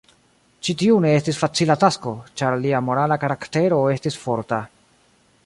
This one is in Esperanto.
Ĉi tiu ne estis facila tasko, ĉar lia morala karaktero estis forta.